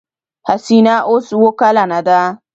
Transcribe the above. حسينه اوس اوه کلنه ده.